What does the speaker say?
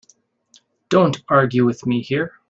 Don't argue with me here.